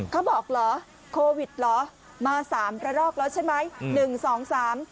เขาบอกเหรอโควิดเหรอมา๓ระลอกแล้วใช่ไหม